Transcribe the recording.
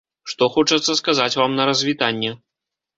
Што хочацца сказаць вам на развітанне.